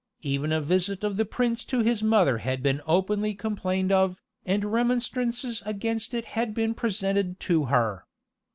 Even a visit of the prince to his mother had been openly complained of, and remonstrances against it had been presented to her.